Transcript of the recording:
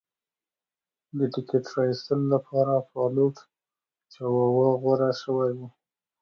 د ټکټ را ایستلو لپاره فالوټ چاواوا غوره شوی و.